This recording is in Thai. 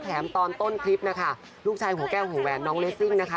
ตอนต้นคลิปนะคะลูกชายหัวแก้วหัวแหวนน้องเลสซิ่งนะคะ